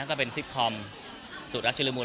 ก็เป็นซิปคอมสูตรรักชุลมูล